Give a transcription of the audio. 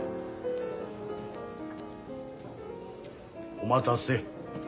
お待たせ。